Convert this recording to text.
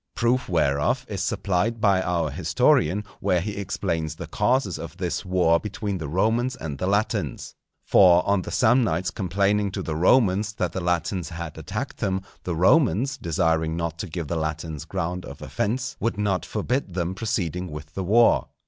Proof whereof is supplied by our historian where he explains the causes of this war between the Romans and the Latins. For on the Samnites complaining to the Romans that the Latins had attacked them, the Romans, desiring not to give the Latins ground of offence, would not forbid them proceeding with the war.